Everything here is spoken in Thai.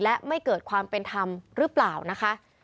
และไม่เกิดความเป็นธรรมหรือเปล่านะคะ